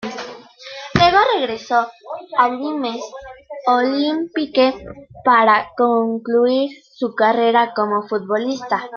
Luego regresó al Nîmes Olympique para concluir su carrera como futbolista.